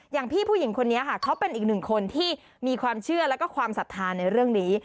อย่างพี่ผู้หญิงคนนี้ค่ะเขาเป็นอีกหนึ่งคนที่มีความเชื่อแล้วก็ความศรัทธาในเรื่องนี้